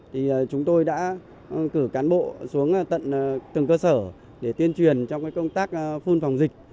thì chúng tôi đã cử cán bộ xuống tận từng cơ sở để tuyên truyền trong công tác phun phòng dịch